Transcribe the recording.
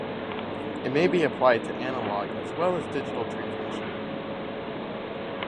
It may be applied to analog as well as digital transmission.